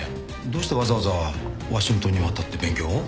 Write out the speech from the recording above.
どうしてわざわざワシントンに渡って勉強を？